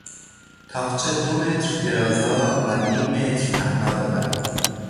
تاقچه دو متر درازا و نیم متر پهنا دارد.